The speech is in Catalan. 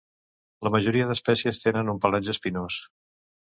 La majoria d'espècies tenen un pelatge espinós.